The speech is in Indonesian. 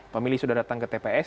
pemilih sudah datang ke tps